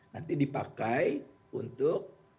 nanti dipakai untuk